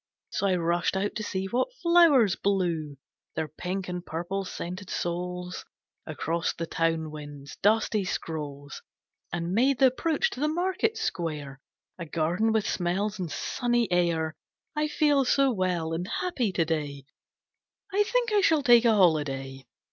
So I rushed out to see what flowers blew Their pink and purple scented souls Across the town wind's dusty scrolls, And made the approach to the Market Square A garden with smells and sunny air. I feel so well and happy to day, I think I shall take a Holiday.